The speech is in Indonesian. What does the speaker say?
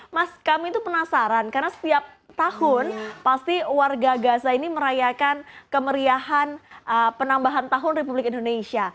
mas kami itu penasaran karena setiap tahun pasti warga gaza ini merayakan kemeriahan penambahan tahun republik indonesia